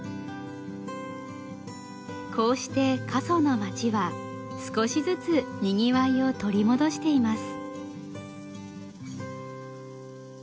こうして過疎の町は少しずつにぎわいを取り戻しています。